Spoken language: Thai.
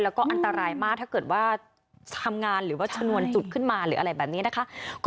แล้วก็อันตรายมากถ้าเกิดว่าทำงานหรือว่าชนวนจุดขึ้นมาหรืออะไรแบบนี้นะคะ